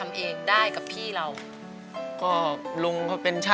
อันดับนี้เป็นแบบนี้